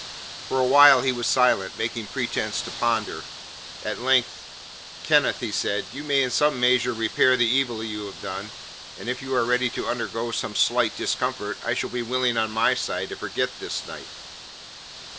For a while he was silent, making pretence to ponder. At length: "Kenneth," he said, "you may in some measure repair the evil you have done, and if you are ready to undergo some slight discomfort, I shall be willing on my side to forget this night."